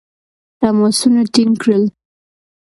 تماسونه ټینګ کړل.